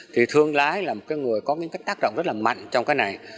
thì thương lái là một cái người có những cái tác động rất là mạnh trong cái này